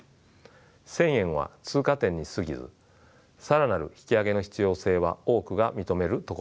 １，０００円は通過点に過ぎず更なる引き上げの必要性は多くが認めるところでしょう。